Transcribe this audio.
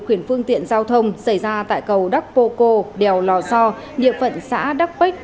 khuyển phương tiện giao thông xảy ra tại cầu đắk pô cô đèo lò so địa phận xã đắk bách